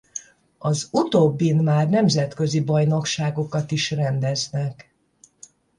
Az utóbbin már nemzetközi bajnokságokat is rendeznek.